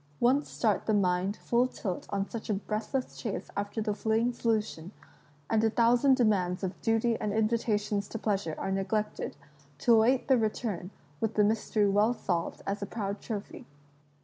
Once start the mind full ilt on such a breathless chase after the fleeing solution, and f Xll INTRODUCTION a thousand demands of duty and invitations to pleasure are neglected — to await the return, with the mystery well solved as a proud trophy.